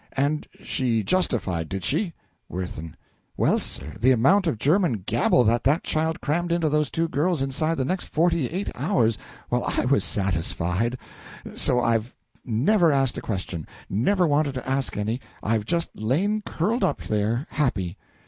And she justified, did she? WIRTHIN. Well, sir, the amount of German gabble that that child crammed into those two girls inside the next forty eight hours well, I was satisfied! So I've never asked a question never wanted to ask any. I've just lain curled up there, happy.